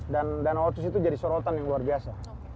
dan dana otsus itu jadi sorotan yang luar biasa